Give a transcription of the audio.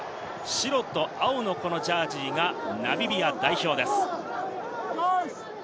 白と青のジャージーがナミビア代表です。